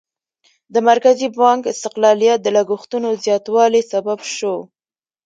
د مرکزي بانک استقلالیت د لګښتونو زیاتوالي سبب شو.